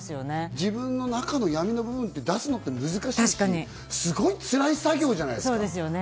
自分の中の闇の部分って出すの難しいし、すごいつらい作業じゃないですか。